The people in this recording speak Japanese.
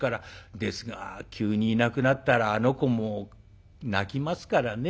ですが急にいなくなったらあの子も泣きますからね。